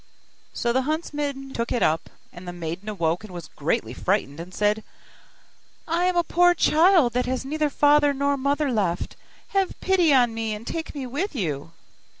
So the huntsmen took it up, and the maiden awoke and was greatly frightened, and said, 'I am a poor child that has neither father nor mother left; have pity on me and take me with you.